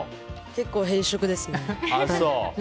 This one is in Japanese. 結構偏食ですね。